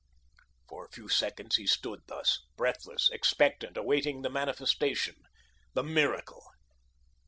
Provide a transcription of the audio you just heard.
For a few seconds he stood thus, breathless, expectant, awaiting the manifestation, the Miracle.